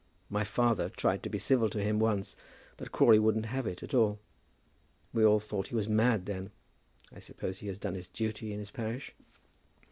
My father tried to be civil to him once, but Crawley wouldn't have it at all. We all thought he was mad then. I suppose he has done his duty in his parish?"